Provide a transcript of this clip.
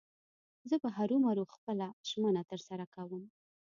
زه به هرو مرو خپله ژمنه تر سره کوم.